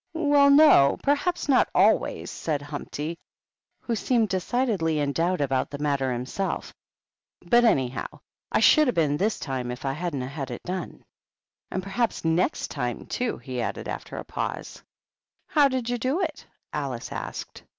"Well, no. Perhaps not always^^^ said Humpty, who seemed decidedly in doubt about the matter himself. "But, anyhow, I should 'a' been this time if I hadn't 'a' had it done. " And perhaps next time, too," he added, after a pause. "How did you do it?" Alice asked.